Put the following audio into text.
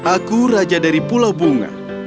aku raja dari pulau bunga